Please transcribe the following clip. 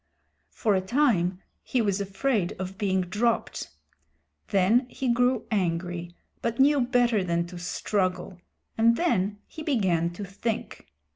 For a time he was afraid of being dropped. Then he grew angry but knew better than to struggle, and then he began to think.